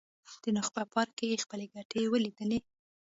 د نخبه پاړکي خپلې ګټې ولیدلې.